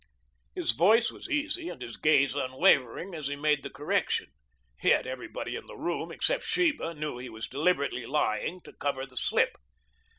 His voice was easy and his gaze unwavering as he made the correction, yet everybody in the room except Sheba knew he was deliberately lying to cover the slip.